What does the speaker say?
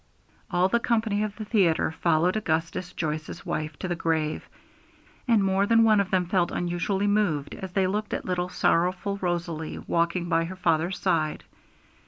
All the company of the theatre followed Augustus Joyce's wife to the grave, and more than one of them felt unusually moved as they looked at little sorrowful Rosalie walking by her father's side.